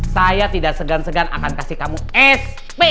saya tidak segan segan akan kasih kamu sp